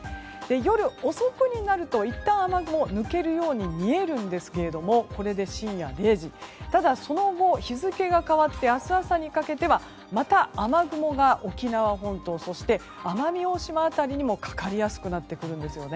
夜遅くになると、いったん雨雲抜けるように見えるんですがただ、その後日付が変わって明日朝にかけては、また雨雲が沖縄本島そして、奄美大島辺りにもかかりやすくなってくるんです。